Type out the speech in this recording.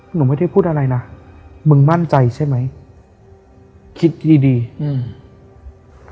หนูไม่ได้พูดอะไรนะมึงมั่นใจใช่ไหมคิดดีดีอืม